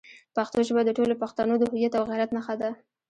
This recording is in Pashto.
پښتو ژبه د ټولو پښتنو د هویت او غیرت نښه ده.